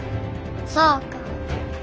そうか。